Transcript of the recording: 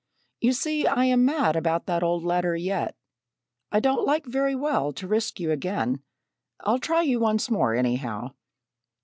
You see I am mad about that old letter yet. I don't like very well to risk you again. I'll try you once more, anyhow."